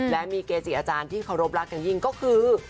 และมีเกจิกอาจารย์ที่เคารพรักจริงก็คือ